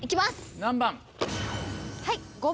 何番？